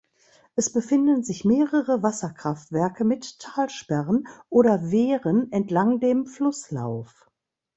Es befinden sich mehrere Wasserkraftwerke mit Talsperren oder Wehren entlang dem Flusslauf.